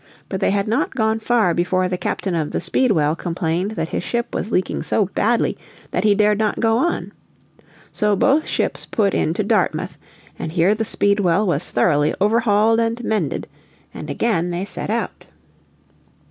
But they had not gone far before the captain of the Speedwell complained that his ship was leaking so badly that he dared not go on. So both ships put in to Dartmouth, and here the Speedwell was thoroughly overhauled and mended, and again they set out.